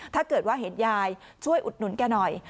ถ้าเกิดว่าเห็นยายช่วยอุดหนุนแกหน่อย